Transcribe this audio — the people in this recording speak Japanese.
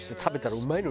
うまいわ。